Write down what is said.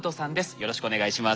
よろしくお願いします。